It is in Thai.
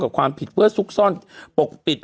กับความผิดเวิร์ชทุกษ์ซ่อนปกปิด